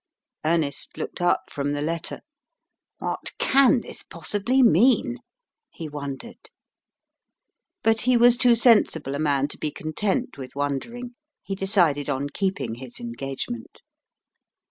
Ernest looked up from the letter. "What can this possibly mean?" he wondered. But he was too sensible a man to be content with wondering; he decided on keeping his engagement.